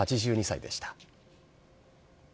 ８２歳でした。